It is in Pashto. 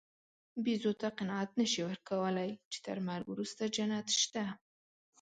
بیزو ته قناعت نهشې ورکولی، چې تر مرګ وروسته جنت شته.